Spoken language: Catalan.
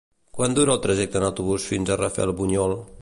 Quant dura el trajecte en autobús fins a Rafelbunyol?